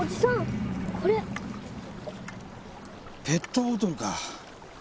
ペットボトルか。